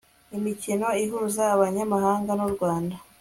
imikino ihuza abanyamahanga n'u rwanda